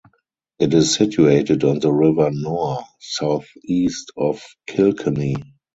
It is situated on the River Nore, southeast of Kilkenny.